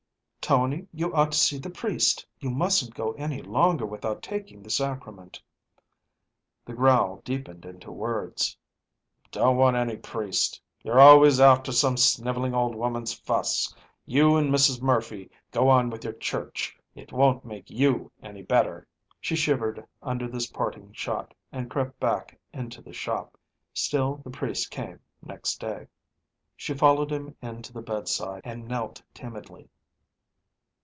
"Tony, you ought to see the priest; you mustn't go any longer without taking the sacrament." The growl deepened into words. "Don't want any priest; you 're always after some snivelling old woman's fuss. You and Mrs. Murphy go on with your church; it won't make YOU any better." She shivered under this parting shot, and crept back into the shop. Still the priest came next day. She followed him in to the bedside and knelt timidly.